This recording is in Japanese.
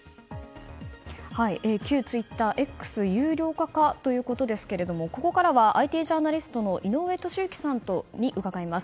旧ツイッター、Ｘが有料化かということですがここからはＩＴジャーナリストの井上トシユキさんに伺います。